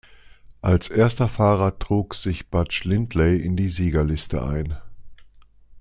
Als erster Fahrer trug sich Butch Lindley in die Siegerliste ein.